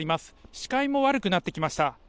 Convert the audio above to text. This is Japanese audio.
司会も悪くなってきました。